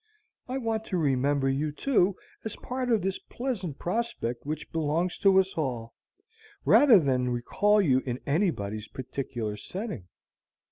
I want to remember you, too, as part of this pleasant prospect which belongs to us all, rather than recall you in anybody's particular setting."